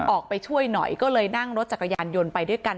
ออกไปช่วยหน่อยก็เลยนั่งรถจักรยานยนต์ไปด้วยกัน